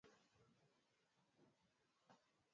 Mto hufuata mwendo wake kwa mtelemko